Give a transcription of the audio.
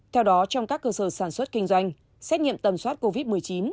theo đó trong các cơ sở sản xuất kinh doanh xét nghiệm tầm soát covid một mươi chín